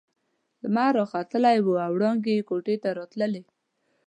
لمر راختلی وو او وړانګې يې کوټې ته راتلې.